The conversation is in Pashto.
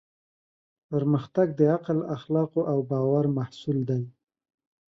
پرمختګ د عقل، اخلاقو او باور محصول دی.